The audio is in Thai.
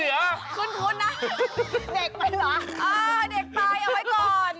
เออเด็กไปเอาไว้ก่อน